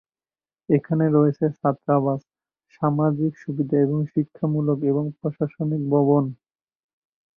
এখানে রয়েছে ছাত্রাবাস, সামাজিক সুবিধা এবং শিক্ষামূলক এবং প্রশাসনিক ভবন।